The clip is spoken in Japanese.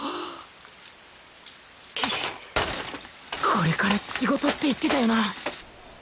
これから仕事って言ってたよな